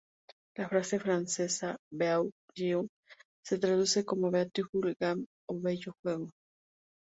La frase francesa "Beau Jeu" se traduce como "Beautiful Game" o "bello juego".